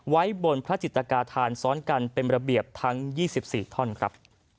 ไว้บนพระจิตกาธานซ้อนกันเป็นระเบียบทั้ง๒๔ท่อนครับ